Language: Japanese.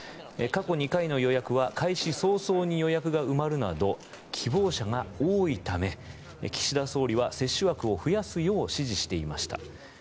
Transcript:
過去２回の予約は開始早々に予約が埋まるなど希望者が多いため岸田総理は接種枠を増やすよう指示していました。